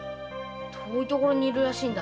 遠い所に居るらしいんだ。